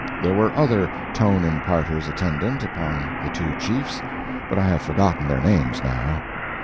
There were other Tone imparters attendant upon the two chiefs, but I have forgotten their names now.